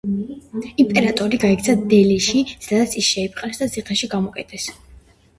იმპერატორი გაიქცა დელიში, სადაც ის შეიპყრეს და ციხეში გამოკეტეს.